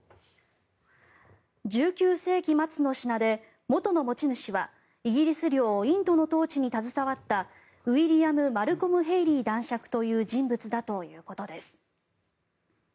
１９世紀末の品で元の持ち主はイギリス領インドの統治に携わったウィリアム・マルコム・ヘイリー男爵という人物だということです。